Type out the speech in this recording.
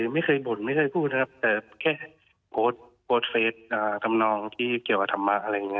ไม่เคยบ่นไม่เคยพูดแค่โพสเพจทำนองที่เกี่ยวกับธรรมะ